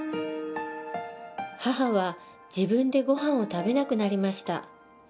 母は自分でごはんを食べなくなりました。